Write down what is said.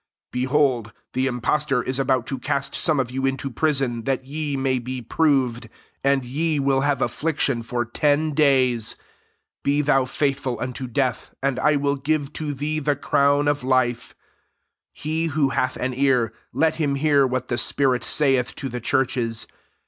Behold, the impostor is about to cast some of you into prison, that ye may be proved ; and ye will have affliction ybr ten days. Be thou faithful unto death, and I will give to thee the crown of life,' 1 1 He who hath an ear, let him hear what the spirit saith to the churches.